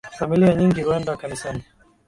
Familia nyingi huenda kanisani